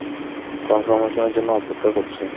কনফার্মেশনের জন্য অপেক্ষা করছি।